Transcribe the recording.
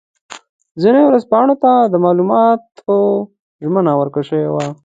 ځینو ورځپاڼو ته د معلوماتو ژمنه ورکړل شوې وه.